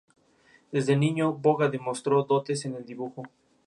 Desde niño, Boga demostró dotes en el dibujo.